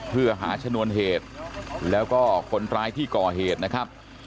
เพื่อหาชนวนเหตุแล้วก็คนร้ายที่ก่อเหตุนะครับ